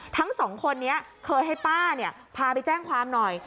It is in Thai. ทั้งสองคนนี้เคยให้ป้าพาไปแจ้งความหน่อย